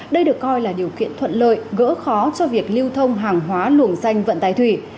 đây được coi là điều kiện thuận lợi gỡ khó cho việc lưu thông hàng hóa luồng xanh vận tài thủy